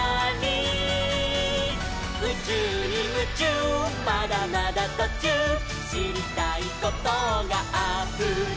「うちゅうにムチューまだまだとちゅう」「しりたいことがあふれる」